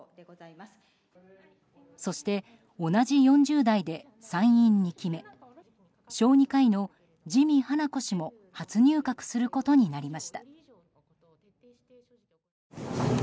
そして、同じ４０代で参院２期目小児科医の自見英子氏も初入閣することになりました。